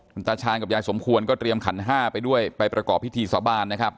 คุณตาชาญกับยายสมควรก็เตรียมขันห้าไปด้วยไปประกอบพิธีสาบานนะครับ